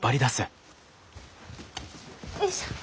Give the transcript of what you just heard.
よいしょ！